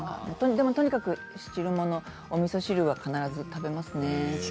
とにかく汁物おみそ汁は必ず食べますね。